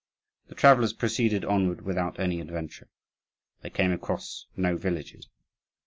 The travellers proceeded onward without any adventure. They came across no villages.